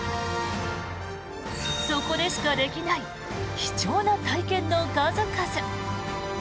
そこでしかできない貴重な体験の数々。